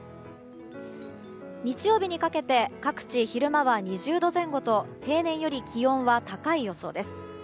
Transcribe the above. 日曜日にかけて各地、昼間は２０度前後と平年より気温は高い予想です。